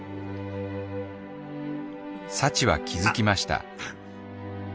幸は気づきました。